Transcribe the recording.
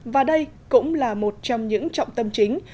và đây cũng là một trong những trọng tâm chính